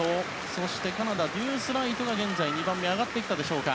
そしてカナダのドュースライトが現在２番目で上がってきたでしょうか。